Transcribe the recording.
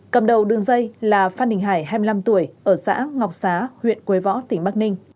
cầm đầu đường dây là phan đình hải hai mươi năm tuổi ở xã ngọc xá huyện quế võ tỉnh bắc ninh